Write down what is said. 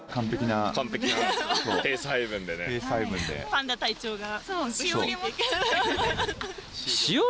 パンダ隊長が。